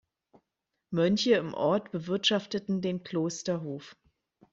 Mönche im Ort bewirtschafteten den Klosterhof.